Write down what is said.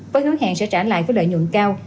với hứa hẹn sẽ trả lại với lợi nhuận cao